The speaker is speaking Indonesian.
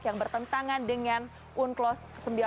yang bertentangan dengan unklos seribu sembilan ratus delapan puluh dua